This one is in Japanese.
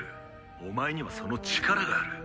お前にはその力がある！